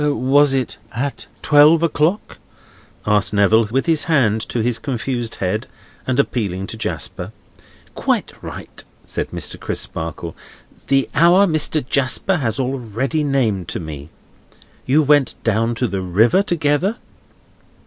"Was it at twelve o'clock?" asked Neville, with his hand to his confused head, and appealing to Jasper. "Quite right," said Mr. Crisparkle; "the hour Mr. Jasper has already named to me. You went down to the river together?"